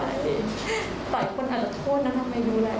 แต่ของแตงไม่ดีเลยนะ